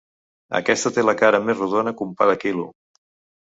Aquesta té la cara més rodona que un pa de quilo.